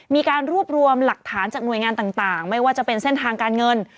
มีการรวบรวมหลักฐานจากหน่วยงานต่างไม่ว่าจะเป็นเส้นทางการเงิน